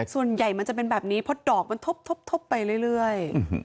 ส่วนใหญ่มันจะเป็นแบบนี้เพราะดอกมันทบไปเรื่อย